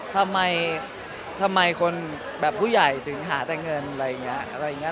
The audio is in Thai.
ทำไมคนแบบผู้ใหญ่ถึงหาแต่เงินอะไรอย่างเงี้ย